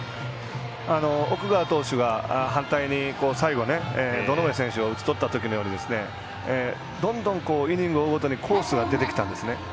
奥川投手が反対に最後、堂上選手を打ち取ったときのようにどんどんイニングを追うごとにコースが出てきたんですね。